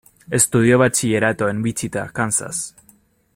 Estudió Bachillerato en Wichita, Kansas.